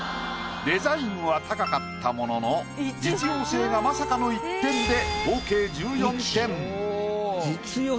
デザインは高かったものの実用性がまさかの１点で合計１４点。